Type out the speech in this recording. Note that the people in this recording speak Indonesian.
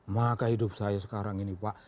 maka hidup saya sekarang ini pak